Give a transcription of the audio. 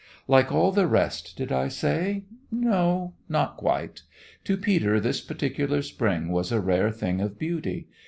Like all the rest, did I say? No, not quite. To Peter this particular spring was a rare thing of beauty.